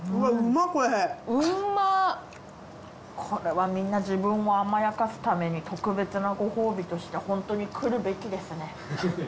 これはみんな自分を甘やかすために特別なご褒美としてホントに来るべきですね。